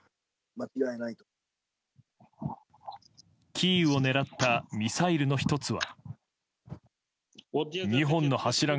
キーウを狙ったミサイルの１つは。